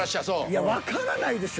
いやわからないでしょ。